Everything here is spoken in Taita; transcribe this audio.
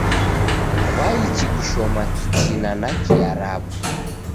W'aichi kushoma kichina na Kiarabu.